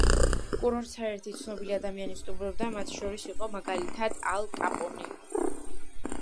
კურორტს არაერთი ცნობილი ადამიანი სტუმრობდა, მათ შორის იყო მაგალითად ალ კაპონე.